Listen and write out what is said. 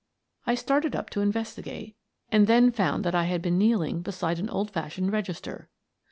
I started up to investigate, and then found that I had been kneeling beside an old fashioned register.